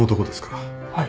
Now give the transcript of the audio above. はい。